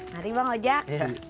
mari bang ojak